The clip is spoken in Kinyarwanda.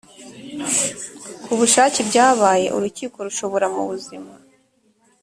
ku bushake ibyabaye urukiko rushobora mubuzima